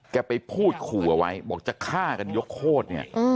ไปพูดขู่เอาไว้บอกจะฆ่ากันยกโคตรเนี่ย